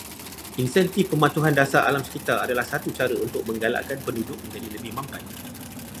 Insentif pematuhan dasar alam sekitar adalah satu cara untuk menggalakkan penduduk menjadi lebih mampan